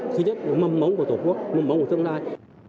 khi rất mầm mống của tổ quốc mầm mống của tương lai